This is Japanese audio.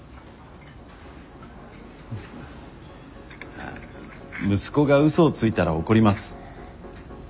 まあ息子が嘘をついたら怒ります。